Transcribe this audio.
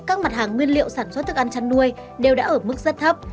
các mặt hàng nguyên liệu sản xuất thức ăn chăn nuôi đều đã ở mức rất thấp